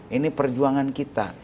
ini perjuangan kita